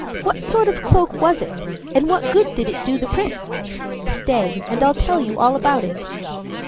What sort of cloak was it, and what A good did it do the Prince? Stay, and I'll tell you all about it.